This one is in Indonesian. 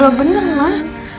lo bener lah